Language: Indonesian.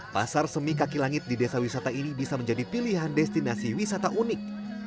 pasar semi kaki langit di desa wisata ini bisa menjadi pilihan destinasi wisata unik